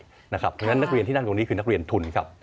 เพราะฉะนั้นนักเรียนที่นั่งตรงนี้คือนักเรียนทุนครับ